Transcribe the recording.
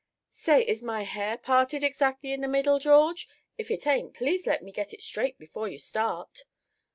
"Say, is my hair parted exactly in the middle, George? If it ain't, please let me get it straight before you start!"